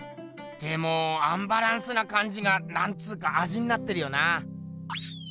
でもアンバランスなかんじがなんつうかあじになってるよな。